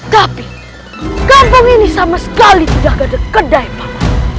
tapi kampung ini sama sekali tidak ada kedai paman